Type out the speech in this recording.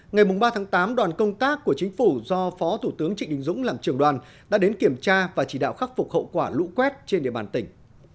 ngày ba tám đoàn công tác của chính phủ do phó thủ tướng trịnh đình dũng làm trường đoàn đã đến kiểm tra và chỉ đạo khắc phục hậu quả lũ quét trên địa bàn tỉnh